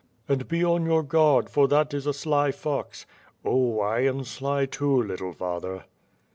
"And be on your guard, for that is a sly fox." "Oh, I am sly too, little father."